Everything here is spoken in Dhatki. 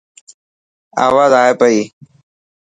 آواز آي پئي.